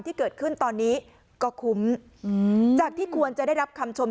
ที่เกิดขึ้นตอนนี้ก็คุ้มจากที่ควรจะได้รับคำชม